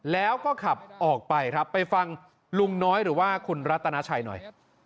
แล้วก็ขับออกไปครับไปฟังลุงน้อยหรือว่าคุณรัตนาชัยหน่อย